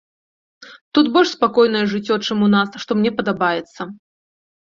Тут больш спакойнае жыццё, чым у нас, што мне падабаецца.